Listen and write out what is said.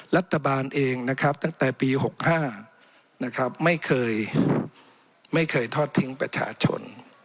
รัฐบาลเองนะครับตั้งแต่ปี๖๕ไม่เคยทอดทิ้งประชาชน